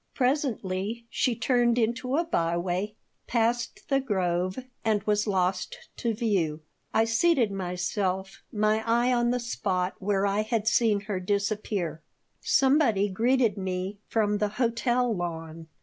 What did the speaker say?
Presently she turned into a byway, passed the grove, and was lost to view I seated myself, my eye on the spot where I had seen her disappear. Somebody greeted me from the hotel lawn.